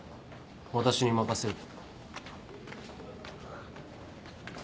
私に任せると。